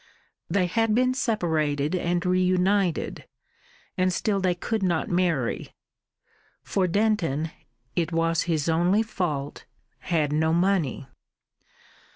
They had been separated and reunited, and still they could not marry. For Denton it was his only fault had no money.